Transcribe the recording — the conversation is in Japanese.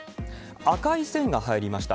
赤い線が入りました。